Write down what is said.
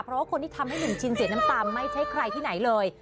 เพราะว่าคนที่ทำให้หนุ่มชินเสียน้ำตาไม่ใช่ใครที่ไหนเลย